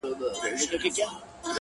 خو لا يې سترگي نه دي سرې خلگ خبري كـوي؛